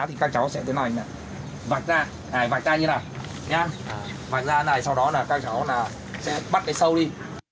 thì các cháu sẽ thế này vạch ra này vạch ra như này nha vạch ra này sau đó là các cháu sẽ bắt cái sâu đi